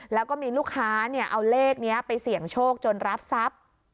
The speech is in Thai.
แล้วก็มีลูกค้าเอาเลขนี้ไปเสี่ยงโชคจนรับทรัพย์